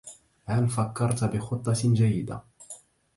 هل فكرّت بخطةٍ جيدة؟